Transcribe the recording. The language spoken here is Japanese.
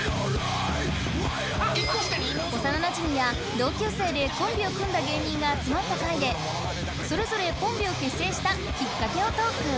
幼馴染や同級生でコンビを組んだ芸人が集まった回でそれぞれコンビを結成したキッカケをトーク